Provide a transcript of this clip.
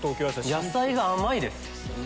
野菜が甘いです。